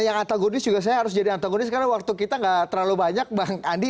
yang antagonis juga saya harus jadi antagonis karena waktu kita gak terlalu banyak bang andi